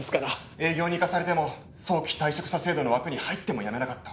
「営業に行かされても早期退職者制度の枠に入っても辞めなかった」